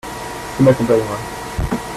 Qui m'accompagnera.